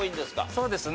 そうですね。